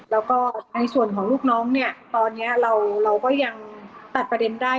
แล้วก็ในส่วนของลูกน้องเนี่ยตอนนี้เราก็ยังตัดประเด็นได้